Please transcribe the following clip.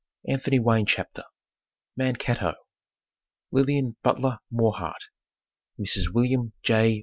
ANTHONY WAYNE CHAPTER Mankato LILLIAN BUTLER MOREHART (Mrs. William J.